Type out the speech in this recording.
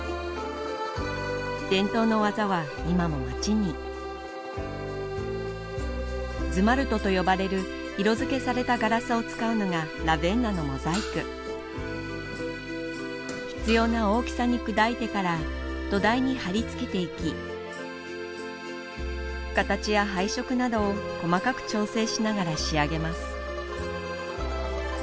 伝統の技は今も街にズマルトと呼ばれる色付けされたガラスを使うのがラヴェンナのモザイク必要な大きさに砕いてから土台に貼り付けて行き形や配色などを細かく調整しながら仕上げます